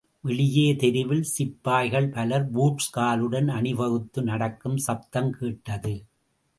வெளியே தெருவில் சிப்பாய்கள் பலர் பூட்ஸ் காலுடன் அணிவகுத்து நடக்கும் சப்தம் கேட்டது.